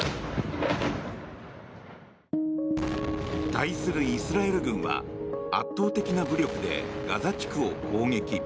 対するイスラエル軍は圧倒的な武力でガザ地区を攻撃。